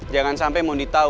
jangan sampe moni tau